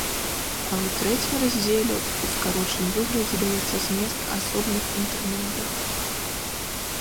А ў трэцім раздзеле ў скарочаным выглядзе даецца змест асобных інтэрмедый.